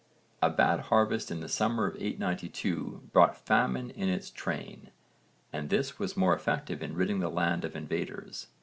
A bad harvest in the summer of 892 brought famine in its train and this was more effective in ridding the land of invaders.